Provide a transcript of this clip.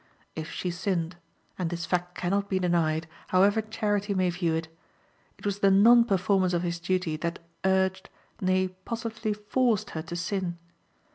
If she sinned and this fact can not be denied, however charity may view it it was the non performance of his duty that urged, nay, positively forced her to sin.